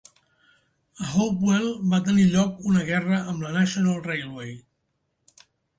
A Hopewell va tenir lloc una guerra amb la National Railway.